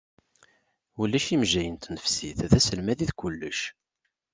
Ulac imejjayen n tnefsit, d aselmad i d kullec.